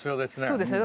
そうですね。